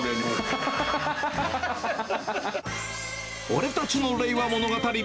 俺たちの令和物語。